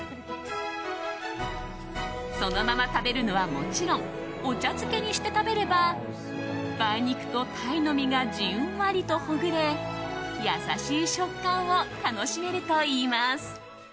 そのまま食べるのはもちろんお茶漬けにして食べれば梅肉と鯛の身がじんわりとほぐれ優しい食感を楽しめるといいます。